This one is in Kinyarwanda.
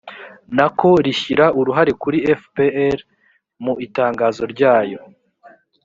na ko rishyira uruhare kuri fpr. mu itangazo ryaryo